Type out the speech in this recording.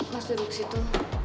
mas duduk situ